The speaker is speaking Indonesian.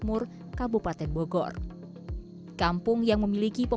terima kasih banyak pak